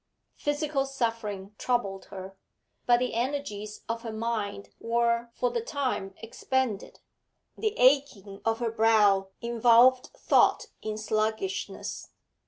Physical suffering troubled her, but the energies of her mind were for the time expended; the aching of her brow involved thought in sluggishness.